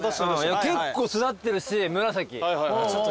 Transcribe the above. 結構育ってるし紫。